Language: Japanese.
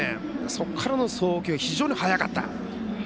そこからの投球が非常に速かった。